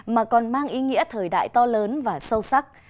mà còn mang ý nghĩa thời đại to lớn và sâu sắc